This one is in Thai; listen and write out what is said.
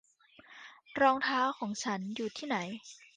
รองเท้าของฉันอยู่ที่ไหน